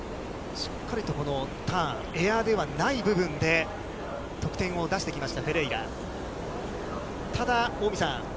しっかりとこのターン、エアーではない部分で得点を出してきました。